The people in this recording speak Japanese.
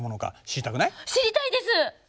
知りたいです。